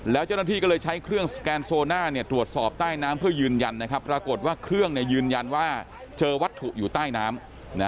แล้วเจ้าหน้าที่ก็เลยใช้เครื่องสแกนโซน่าตรวจสอบใต้น้ำเพื่อยืนยันนะครับปรากฏว่าเครื่องยืนยันว่าเจอวัตถุอยู่ใต้น้ำ